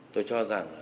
tôi cho rằng